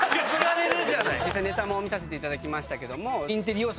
ネタも見させていただきましたけど。